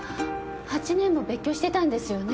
８年も別居してたんですよね。